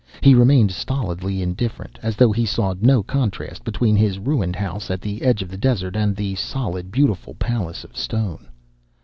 He remained stolidly indifferent, as though he saw no contrast between his ruined house at the edge of the desert and the solid, beautiful palace of stone.